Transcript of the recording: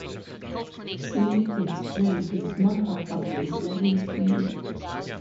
Smith explained, It's not about the serial killer.